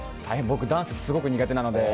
僕、ダンスすごく苦手なので。